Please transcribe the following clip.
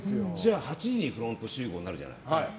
８時にフロント集合になるじゃない？